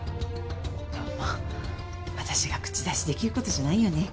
でもまあ私が口出しできることじゃないよね。